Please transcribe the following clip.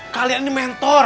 kalian ini mentor